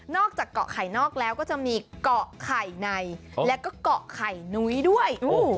อกจากเกาะไข่นอกแล้วก็จะมีเกาะไข่ในแล้วก็เกาะไข่นุ้ยด้วย